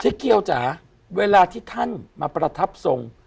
เกียวจ๋าเวลาที่ท่านมาประทับทรง